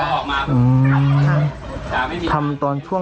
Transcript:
จัดกระบวนพร้อมกัน